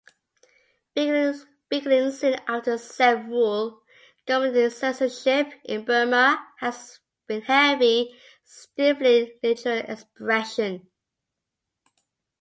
Beginning soon after self-rule, government censorship in Burma has been heavy, stifling literary expression.